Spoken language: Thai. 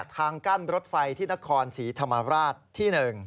ทางกั้นรถไฟที่นครศรีธรรมราชที่๑